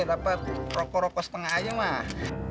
dapat rokok rokok setengah aja lah